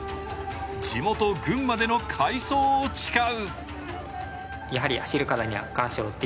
地元・群馬での快走を誓う。